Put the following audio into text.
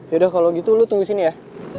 ya udah kalau gitu lu tunggu sini ya